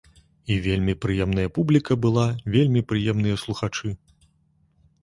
І вельмі прыемная публіка была, вельмі прыемныя слухачы.